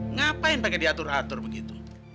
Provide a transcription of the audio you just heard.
ngapain pengen diatur atur begitu